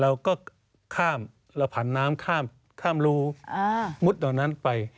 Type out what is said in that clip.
เราก็ข้ามเราผ่านน้ำข้ามข้ามรูมุดตรงนั้นไป